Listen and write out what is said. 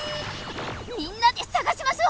みんなでさがしましょう！